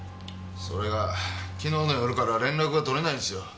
それが昨日の夜から連絡が取れないんですよ。